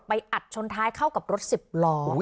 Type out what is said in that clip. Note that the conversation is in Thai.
อัดชนท้ายเข้ากับรถสิบล้อ